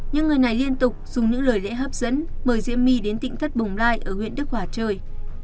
những người này liên tục dùng những lời lẽ hấp dẫn mời diễm my đến tỉnh thất bồng lai ở huyện đức hòa chơi